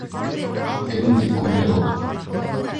- Кемде күрер ул?!